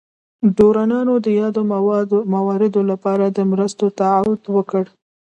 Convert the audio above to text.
ډونرانو د یادو مواردو لپاره د مرستو تعهد وکړ.